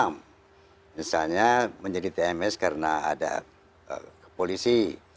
misalnya menjadi tms karena ada polisi